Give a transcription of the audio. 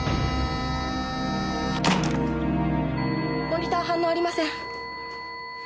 モニター反応ありません。